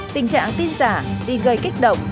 tình trạng tin giả đi gây kích động